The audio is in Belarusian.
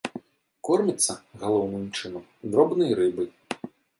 Корміцца, галоўным чынам, дробнай рыбай.